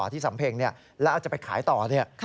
ที่สำเพ็งเนี่ยแล้วอาจจะไปขายต่อเนี่ย